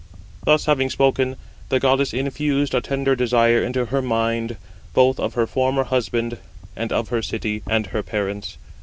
Thus having spoken, the goddess infused a tender desire into her mind both of her former husband, and of her city, and her parents.